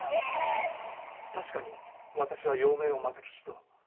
確かに私は幼名を「又吉」と。